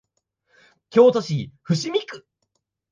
京都市伏見区